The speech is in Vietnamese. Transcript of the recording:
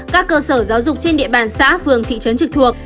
các cơ sở giáo dục trên địa bàn xã phường thị trấn trực thuộc